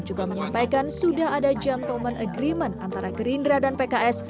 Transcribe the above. juga menyampaikan sudah ada gentleman agreement antara gerindra dan pks